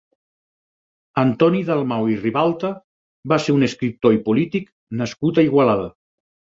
Antoni Dalmau i Ribalta va ser un escriptor i polític nascut a Igualada.